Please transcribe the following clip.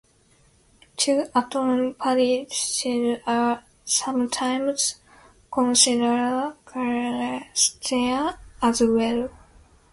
Two-atom particles are sometimes considered clusters as wel.